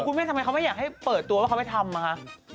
คุณแม่ทำไมเค้าไม่อยากให้เปิดตัวว่าเค้าไม่ทำเหรอคะ